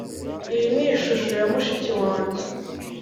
iyi ni ishusho ya mushiki wanjye.